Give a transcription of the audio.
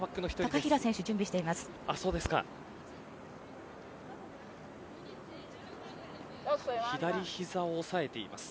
高平選手、準備しています。